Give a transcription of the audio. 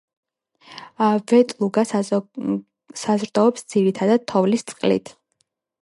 ვეტლუგა საზრდოობს ძირითადად თოვლის წყლით.